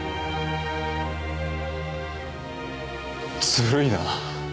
ずるいな。